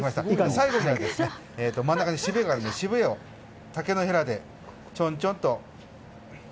最後に真ん中にしべがあるので竹のへらで、ちょんちょんと。